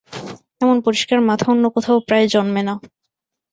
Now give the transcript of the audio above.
এমন পরিষ্কার মাথা অন্য কোথাও প্রায় জন্মে না।